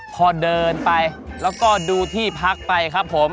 พอเดินไปแล้วก็ดูที่พักไปครับผม